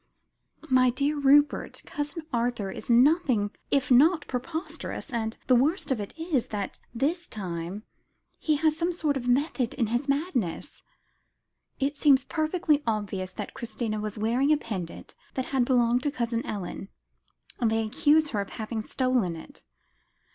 "My dear Rupert, Cousin Arthur is nothing if not preposterous, and the worst of it is, that this time he has some sort of method in his madness. It seems perfectly obvious, that Christina was wearing a pendant that had belonged to Cousin Ellen; and they accuse her of having stolen it."